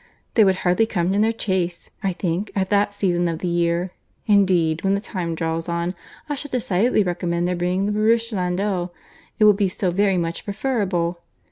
They would hardly come in their chaise, I think, at that season of the year. Indeed, when the time draws on, I shall decidedly recommend their bringing the barouche landau; it will be so very much preferable.